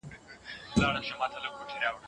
که زور په سم ځای ونه کارول سي مانا بدلیږي.